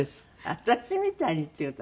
私みたいにって言った？